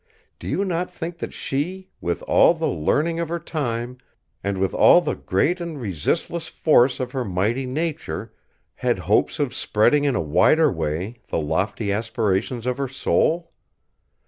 Do you not think that she, with all the learning of her time, and with all the great and resistless force of her mighty nature, had hopes of spreading in a wider way the lofty aspirations of her soul!